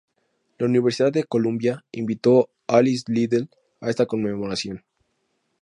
La Universidad de Columbia invitó a Alice Liddell a esta conmemoración.